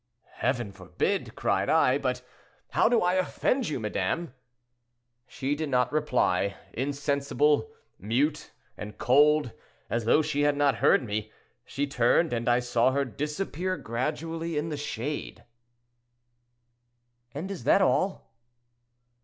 'Heaven forbid!' cried I; 'but how do I offend you, madame?' She did not reply; insensible, mute, and cold, as though she had not heard me, she turned, and I saw her disappear gradually in the shade." "And is that all?"